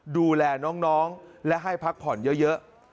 ดูแลน้องและให้พักผ่อนเยอะ